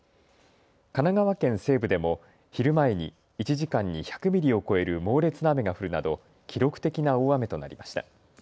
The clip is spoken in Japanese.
神奈川県西部でも昼前に１時間に１００ミリを超える猛烈な雨が降るなど記録的な大雨となりました。